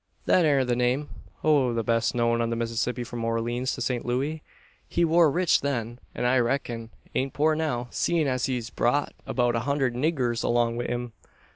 "Thet air the name one o' the best known on the Mississippi from Orleens to Saint Looey. He war rich then; an, I reck'n, ain't poor now seein' as he's brought about a hunderd niggers along wi' him.